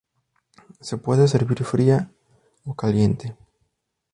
Se puede servir fría o caliente.